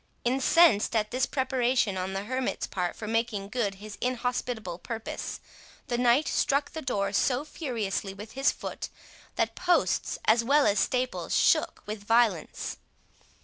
Incensed at this preparation on the hermit's part for making good his inhospitable purpose, the knight struck the door so furiously with his foot, that posts as well as staples shook with violence.